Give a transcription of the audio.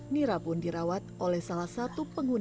nira pun dirawat oleh salah satu pengguna